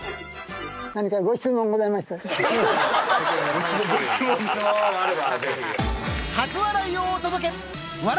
何かご質問ございましたら。